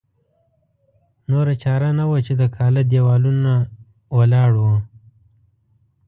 نوره چاره نه وه چې د کاله دېوالونه ولاړ وو.